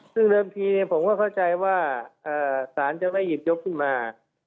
ซึ่งเริ่มทีเนี่ยผมค่อยเฉพาะใจว่าสารจะไม่หยิบหยบขึ้นมา